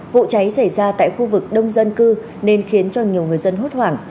vụ cháy xảy ra tại khu vực đông dân cư nên khiến cho nhiều người dân hốt hoảng